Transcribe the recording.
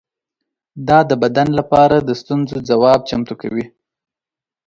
دا د بدن لپاره د ستونزو ځواب چمتو کوي.